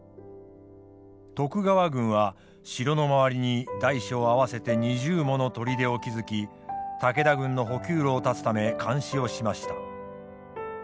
徳川軍は城の周りに大小合わせて２０もの砦を築き武田軍の補給路を断つため監視をしました。